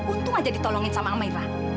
untung aja ditolongin sama amirah